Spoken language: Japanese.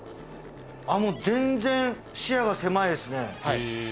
もう全然視野が狭いですね